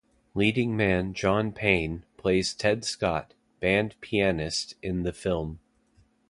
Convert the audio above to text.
Leading man John Payne plays Ted Scott, band pianist in the film.